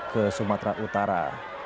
ke sumatera utara